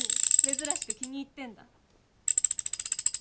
珍しく気に入ってんだ？